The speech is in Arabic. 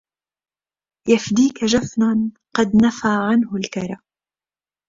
يفديك جفن قد نفى عنه الكرى